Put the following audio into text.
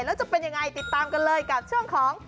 แล้วจะเป็นยังไงติดตามกันเลยกับช่วงของ